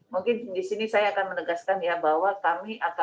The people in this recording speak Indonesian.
mungkin di sini saya akan menegaskan ya bahwa kami akan